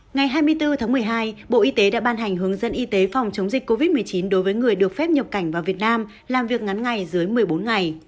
ngày hai mươi bốn tháng một mươi hai bộ y tế đã ban hành hướng dẫn y tế phòng chống dịch covid một mươi chín đối với người được phép nhập cảnh vào việt nam làm việc ngắn ngày dưới một mươi bốn ngày